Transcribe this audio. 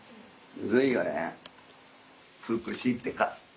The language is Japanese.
むずいよね。